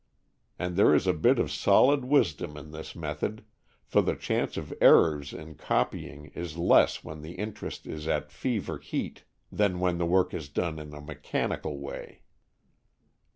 And there is a bit of solid wisdom in this method, for the chance of errors in copying is less when the interest is at fever heat than when the work is done in a mechanical way.